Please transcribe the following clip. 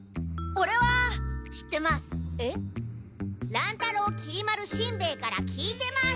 乱太郎きり丸しんべヱから聞いてます。